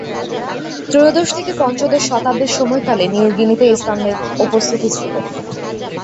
ত্রয়োদশ থেকে পঞ্চদশ শতাব্দীর সময়কালে নিউ গিনিতে ইসলামের উপস্থিতি ছিল।